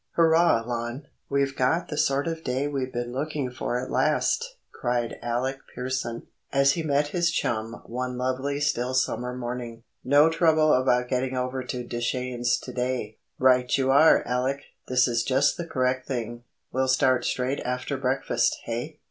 * "Hurrah, Lon! we've got the sort of day we've been looking for at last," cried Alec Pearson, as he met his chum one lovely still summer morning. "No trouble about getting over to Deschenes to day." "Right you are, Alec! This is just the correct thing. We'll start straight after breakfast—hey?"